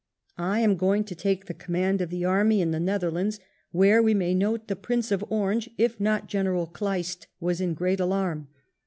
I am going to take the command of the army in the Netherlands," where, we may note, the Prince of Orange, if not General Kleist, was in great alarm.